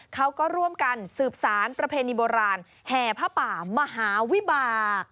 เขาก็ร่วมกันสืบสารประเพณีโบราณแห่ผ้าป่ามหาวิบาก